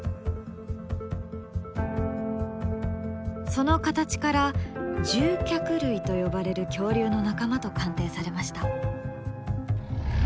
その形から獣脚類と呼ばれる恐竜の仲間と鑑定されました。